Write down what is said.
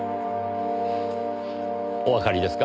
おわかりですか？